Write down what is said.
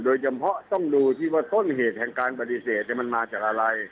โดยเฉพาะต้องดูที่ว่าต้นเหตุแห่งการปฏิเสธมันมาจากอะไร